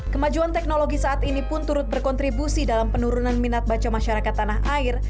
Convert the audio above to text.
kemajuan teknologi saat ini pun turut berkontribusi dalam penurunan minat baca masyarakat tanah air